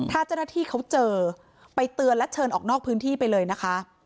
ถ้าเจ้าหน้าที่เขาเจอไปเตือนและเชิญออกนอกพื้นที่ไปเลยนะคะ